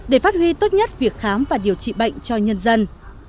để phát huy tốt nhất việc khám và điều trị bệnh cho nhân dân